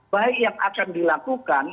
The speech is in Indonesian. baik yang akan dilakukan